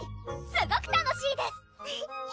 すごく楽しいです！